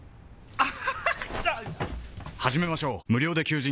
あっ。